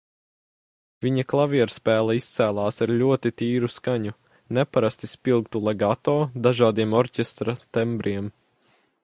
Viņa klavierspēle izcēlās ar ļoti tīru skaņu, neparasti spilgtu legato, dažādiem orķestra tembriem.